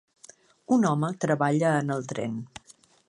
Un home treballa en el tren